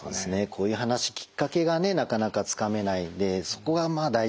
こういう話きっかけがねなかなかつかめないんでそこがまあ大事なところなんです。